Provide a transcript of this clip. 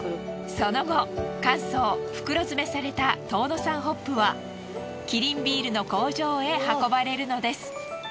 その後乾燥袋詰めされた遠野産ホップはキリンビールの工場へ運ばれるのです。